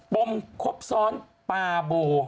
มครบซ้อนปาโบ